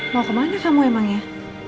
mau kemana kamu emangnya